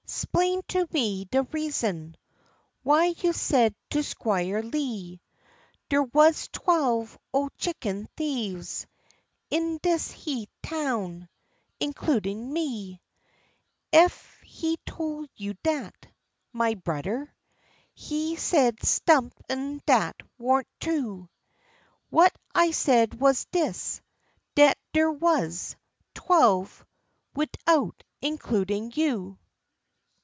'Splain to me de reason Why you said to Squire Lee, Der wuz twelve ole chicken thieves In dis heah town, includin' me. Ef he tole you dat, my brudder, He said sump'n dat warn't true; W'at I said wuz dis, dat der wuz Twelve, widout includin' you.